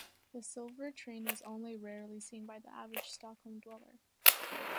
The silver train was only rarely seen by the average Stockholm dweller.